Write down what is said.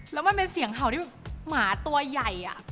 แล้วมันเป็นเสียงเห่าที่แบบหมาตัวใหญ่